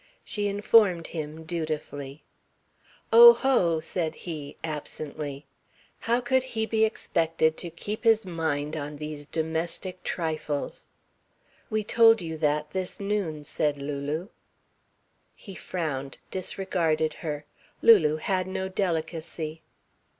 She informed him, dutifully. "Oh, ho," said he, absently. How could he be expected to keep his mind on these domestic trifles. "We told you that this noon," said Lulu. He frowned, disregarded her. Lulu had no delicacy.